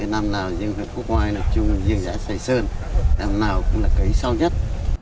năm nào huyện quốc oai là chung với yến xài sơn năm nào cũng là cấy sau nhất